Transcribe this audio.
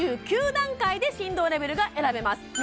９９段階で振動レベルが選べます